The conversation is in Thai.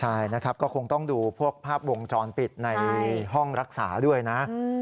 ใช่นะครับก็คงต้องดูพวกภาพวงจรปิดในห้องรักษาด้วยนะ